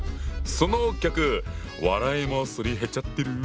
そのギャグ笑いもすり減っちゃってる？